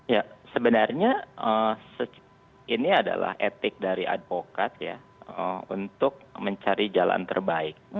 ya sebenarnya ini adalah etik dari advokat ya untuk mencari jalan terbaik